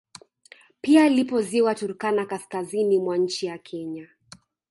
Pia lipo ziwa Turkana kaskazini mwa nchi ya Kenya